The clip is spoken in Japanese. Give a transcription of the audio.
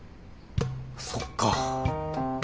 そっか。